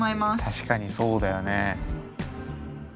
確かにそうだよね。